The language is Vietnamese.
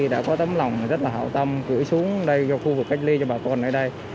đã có tấm lòng rất là hảo tâm gửi xuống đây cho khu vực cách ly cho bà con ở đây